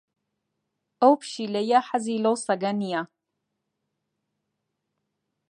ئەو پشیلەیە حەزی لەو سەگە نییە.